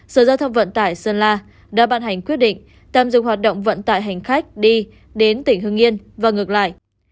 sở giao thông vận tải sơn la đã ban hành quyết định tạm dừng hoạt động vận tải hành khách đi đến tỉnh hưng yên và ngược lại